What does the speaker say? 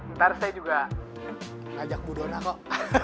ntar saya juga ngajak bu dona kok